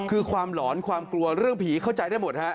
คือความหลอนความกลัวเรื่องผีเข้าใจได้หมดฮะ